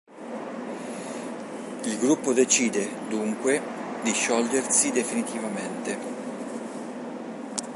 Il gruppo decide, dunque di sciogliersi definitivamente.